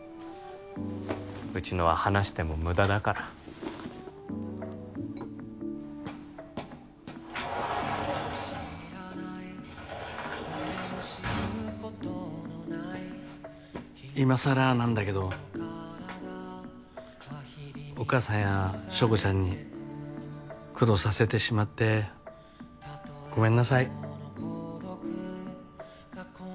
うちのは話しても無駄だから今さらなんだけどお母さんや硝子ちゃんに苦労させてしまってごめんなさい